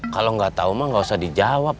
kalau gak tau mah gak usah dijawab